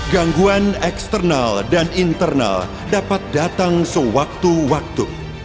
gangguan eksternal dan internal dapat datang sewaktu waktu